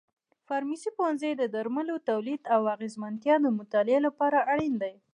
د فارمسي پوهنځی د درملو تولید او اغیزمنتیا مطالعې لپاره اړین دی.